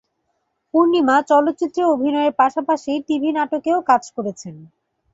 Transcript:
পূর্ণিমা চলচ্চিত্রে অভিনয়ের পাশাপাশি টিভি নাটকেও কাজ করেছেন।